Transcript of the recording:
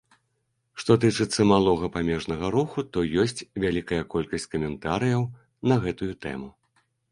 Што тычыцца малога памежнага руху, то ёсць вялікая колькасць каментарыяў на гэтую тэму.